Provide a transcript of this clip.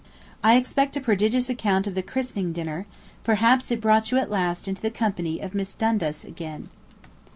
I expect a prodigious account of the christening dinner; perhaps it brought you at last into the company of Miss Dundas again.